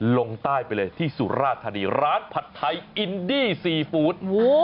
ลงใต้ไปเลยที่สุราธานีร้านผัดไทยอินดี้ซีฟู้ด